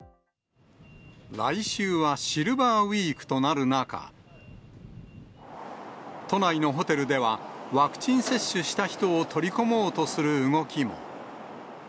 来週はシルバーウィークとなる中、都内のホテルでは、ワクチン接種した人を取り込もうとする動きも。